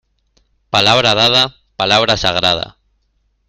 Palabra dada, palabra sagrada.